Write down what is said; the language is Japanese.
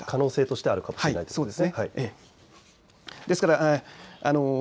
可能性としてあるかもしれないということすね。